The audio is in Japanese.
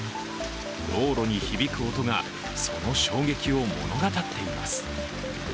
道路に響く音がその衝撃を物語っています。